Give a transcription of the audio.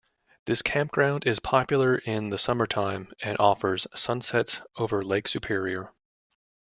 This campground is popular in the summertime, and offers sunsets over Lake Superior.